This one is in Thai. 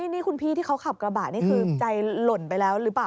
นี่คุณพี่ที่เขาขับกระบะนี่คือใจหล่นไปแล้วหรือเปล่า